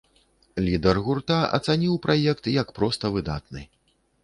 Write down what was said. Лідар гурта ацаніў праект як проста выдатны.